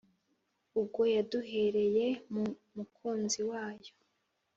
ubwo yaduhereye mu Mukunzi wayo.